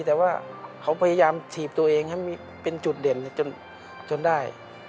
แต่ว่าเขาพยายามถีบตัวเองให้เป็นจุดเด่นจนได้